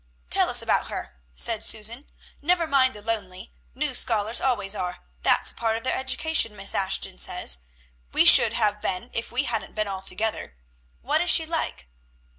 "Tell us about her," said Susan. "Never mind the lonely; new scholars always are; that's a part of their education, Miss Ashton says. We should have been if we hadn't been all together. What is she like?"